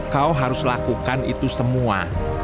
kau harus lakukan itu semua